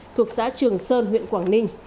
thuộc xã trường sơn huyện quảng ninh